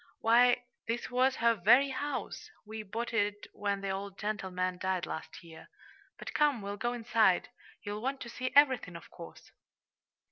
Why, this was her very house we bought it when the old gentleman died last year. But, come, we'll go inside. You'll want to see everything, of course!"